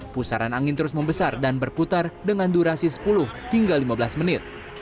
pusaran angin terus membesar dan berputar dengan durasi sepuluh hingga lima belas menit